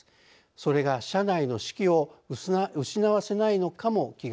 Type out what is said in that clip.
それが社内の士気を失わせないのかも気がかりです。